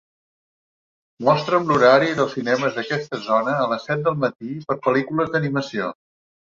mostra'm l'horari dels cinemes d'aquesta zona a les set del matí per pel·lícules d'animació